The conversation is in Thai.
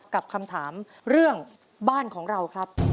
กับคำถามเรื่องบ้านของเราครับ